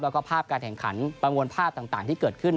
แล้วก็ภาพการแข่งขันประมวลภาพต่างที่เกิดขึ้น